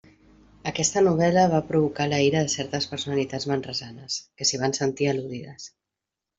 Aquesta novel·la va provocar la ira de certes personalitats manresanes, que s'hi van sentir al·ludides.